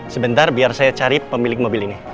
sebentar biar saya cari pemilik mobil ini